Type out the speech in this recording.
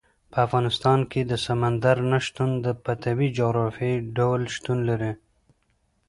په افغانستان کې د سمندر نه شتون په طبیعي او جغرافیایي ډول شتون لري.